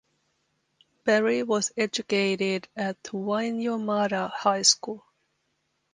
Barry was educated at Wainuiomata High School.